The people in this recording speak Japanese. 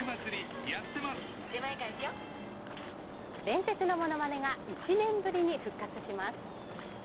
伝説のものまねが１年ぶりに復活します。